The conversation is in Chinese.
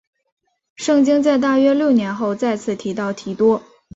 圣经在大约六年后再次提到提多。